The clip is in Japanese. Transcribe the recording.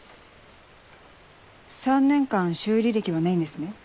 ３年間修理歴はないんですね？